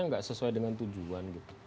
nggak sesuai dengan tujuan